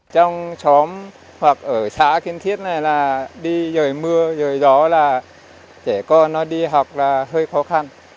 trong xóm hoặc ở xã kiên thiết này là đi trời mưa rồi gió là trẻ con nó đi học là hơi khó khăn